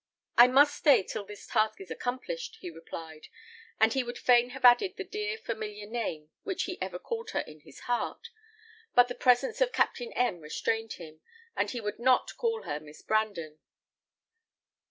"I must stay till this task is accomplished," he replied, and he would fain have added the dear, familiar name which he ever called her in his heart; but the presence of Captain M restrained him, and he would not call her Miss Brandon.